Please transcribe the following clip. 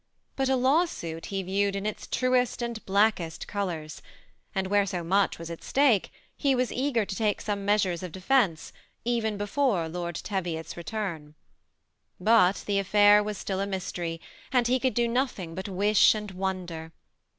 But a lawsuit he viewed in its truest and blackest colors ; and where so much was at stake, he was eager to take some measures of defence, even before Lord Teviot's return. But the affair was still a mystery; and he could do nothing but wish and wonder.